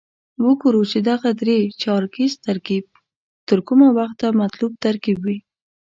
وګورو چې دغه درې چارکیز ترکیب تر کومه وخته مطلوب ترکیب وي.